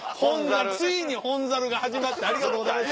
ついに本猿が始まってありがとうございます。